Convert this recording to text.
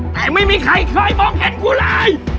แต่ไม่มีใครเคยมองเห็นกูเลย